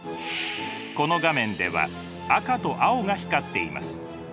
この画面では赤と青が光っています。